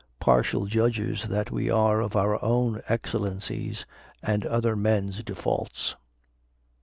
Partial judges that we are of our own excellencies, and other men's defaults!